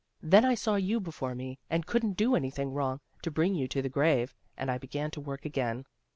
Then I saw you before me and couldn't do anything wrong, to bring you to the grave, and I began to work again.